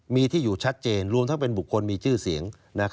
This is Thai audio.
มีที่อยู่ชัดเจนรวมทั้งเป็นบุคคลมีชื่อเสียง